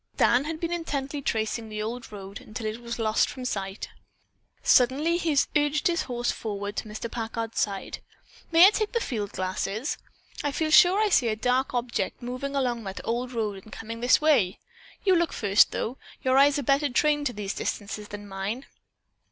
Dan had been intently tracing the old road until it was lost from sight. Suddenly he urged his horse forward to Mr. Packard's side. "May I take the field glasses? I feel sure that I see a dark object moving along that old road and coming this way. You look first, though. Your eyes are better trained to these distances than mine."